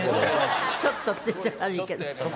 「ちょっと」って言っちゃ悪いけど。